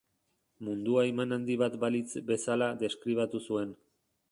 Mundua iman handi bat balitz bezala deskribatu zuen.